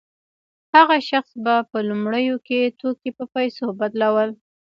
هغه شخص به په لومړیو کې توکي په پیسو بدلول